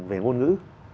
về ngôn ngữ